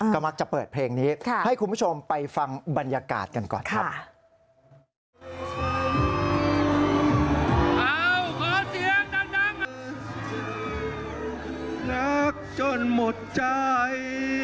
ก็มักจะเปิดเพลงนี้ให้คุณผู้ชมไปฟังบรรยากาศกันก่อนครับ